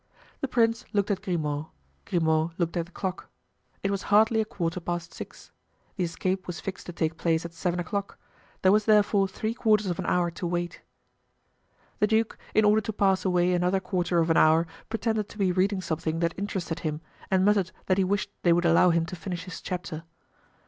The prince looked at Grimaud, Grimaud looked at the clock; it was hardly a quarter past six. The escape was fixed to take place at seven o'clock; there was therefore three quarters of an hour to wait. The duke, in order to pass away another quarter of an hour, pretended to be reading something that interested him and muttered that he wished they would allow him to finish his chapter.